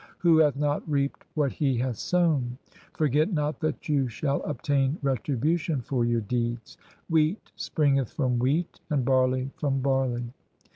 Who hath not reaped what he hath sown ? Forget not that you shall obtain retribution for your deeds. Wheat springeth from wheat, and barley from barley.